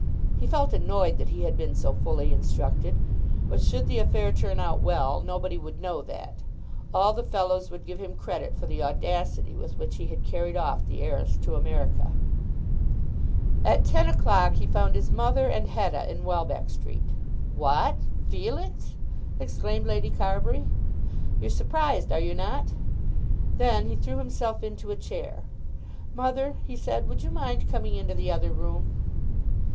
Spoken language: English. He felt annoyed that he had been so fully instructed. But should the affair turn out well nobody would know that. All the fellows would give him credit for the audacity with which he had carried off the heiress to America. At ten o'clock he found his mother and Hetta in Welbeck Street "What; Felix?" exclaimed Lady Carbury. "You're surprised; are you not?" Then he threw himself into a chair. "Mother," he said, "would you mind coming into the other room?"